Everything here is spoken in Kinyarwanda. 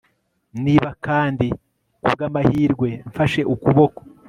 niba kandi kubwamahirwe mfashe ukuboko